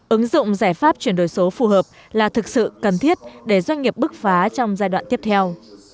ứng dụng giải pháp chuyển đổi số phù hợp là thực sự cần thiết để doanh nghiệp bức phá trong giai đoạn tiếp theo